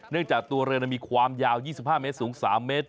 เนื่องจากตัวเรือนั้นมีความยาว๒๕เมตรสูง๓เมตร